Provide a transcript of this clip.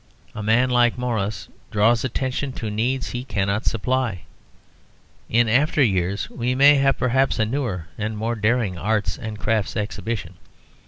A man like Morris draws attention to needs he cannot supply. In after years we may have perhaps a newer and more daring Arts and Crafts Exhibition.